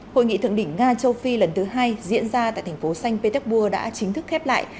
hội nghị thượng đỉnh nga châu phi lần thứ hai diễn ra tại thành phố xanh petersburg đã chính thức khép lại